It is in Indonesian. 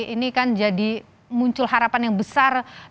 ini kan jadi muncul harapan yang besar dari masyarakat indonesia